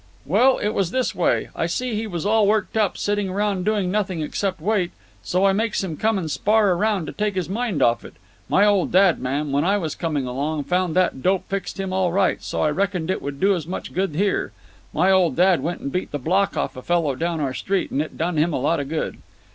"Well, it's this way. I see he's all worked up, sitting around doing nothing except wait, so I makes him come and spar a round to take his mind off it. My old dad, ma'am, when I was coming along, found that dope fixed him all right, so I reckoned it would do as much good here. My old dad went and beat the block off a fellow down our street, and it done him a lot of good."